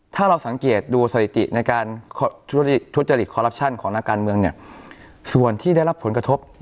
ถ้าเราสังเกตดูสถิติในการทุจริตคอรัปชั่นของนักการเมืองเนี่ยส่วนที่ได้รับผลกระทบ